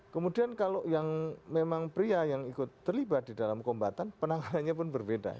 kemudian kalau yang memang pria yang ikut terlibat di dalam kombatan penanganannya pun berbeda